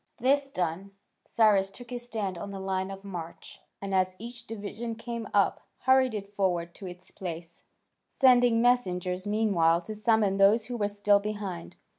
This done, Cyrus took his stand on the line of march, and as each division came up, hurried it forward to its place, sending messengers meanwhile to summon those who were still behind.